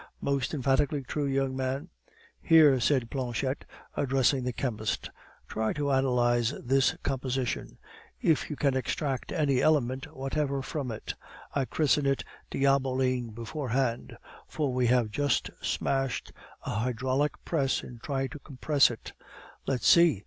"Most emphatically true, young man." "Here," said Planchette, addressing the chemist, "try to analyze this composition; if you can extract any element whatever from it, I christen it diaboline beforehand, for we have just smashed a hydraulic press in trying to compress it." "Let's see!